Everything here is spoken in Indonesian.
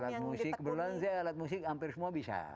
alat musik kebetulan saya alat musik hampir semua bisa